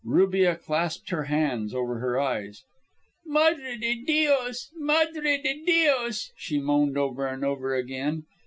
Rubia clasped her hands over her eyes. "Madre de Dios, Madre de Dios," she moaned over and over again.